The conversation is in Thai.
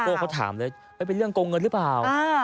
อันนี้โก้เขาถามเลยไม่เป็นเรื่องโกงเงินหรือเปล่า